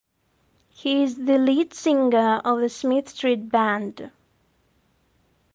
He is the lead singer of The Smith Street Band.